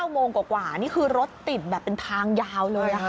โมงกว่านี่คือรถติดแบบเป็นทางยาวเลยค่ะ